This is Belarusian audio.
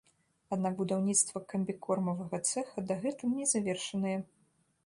Аднак будаўніцтва камбікормавага цэха дагэтуль не завершанае.